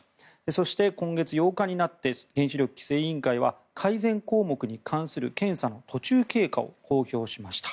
そして、今月８日になって原子力規制委員会は改善項目に関する検査の途中経過を公表しました。